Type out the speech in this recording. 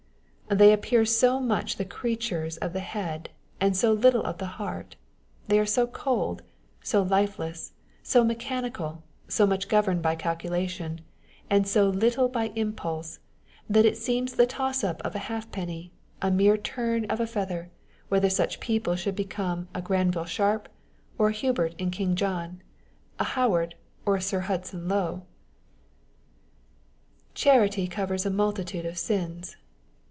They appear so much the creatures of the head and so little of the heart, they are so cold, so lifeless, so me chanical, so much governed by calculation, and so little by impulse, that it seems the toss up of a halfpenny, a mere turn of a feather, whether such people should become a Granville Sharp, or a Hubert in King John, a Howard, or a Sir Hudson Lowe !" Charity covers a multitude of sins."